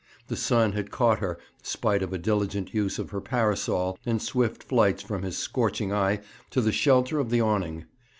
The sun had caught her, spite of a diligent use of her parasol and swift flights from his scorching eye to the shelter of the awning.